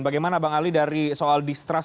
bagaimana bang ali dari soal distrust